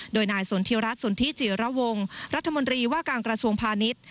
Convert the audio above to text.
โดยนายสนทิรัฐสนทิจิระวงรัฐมนตรีว่าการกระทรวงพาณิชย์